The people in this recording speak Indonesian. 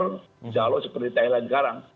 insya allah seperti thailand sekarang